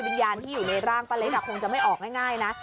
วิญญาณที่อยู่ในร่างป้าเล็กคงจะไม่ออกง่ายนะ